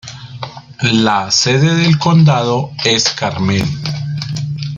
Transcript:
La sede del condado es Carmel.